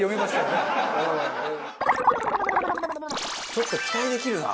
ちょっと期待できるな。